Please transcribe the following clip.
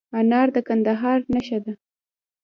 انار د کندهار نښه ده.